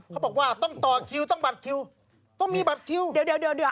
เขาบอกว่าต้องต่อคิวต้องบัตรคิวต้องมีบัตรคิวเดี๋ยวเดี๋ยว